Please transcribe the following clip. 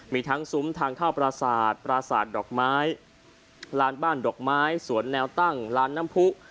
มีทั้งซุ้มทางเข้าปราศาสตร์ปราศาสตร์ดอกไม้ลานบ้านดอกไม้สวนแนวตั้งลานน้ำผู้